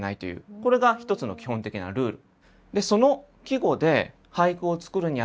これが一つの基本的なルール。